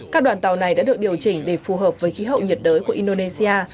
các đoàn tàu này đã được điều chỉnh để phù hợp với khí hậu nhiệt đới của indonesia